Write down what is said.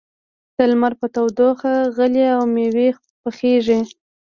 د لمر په تودوخه غلې او مېوې پخېږي.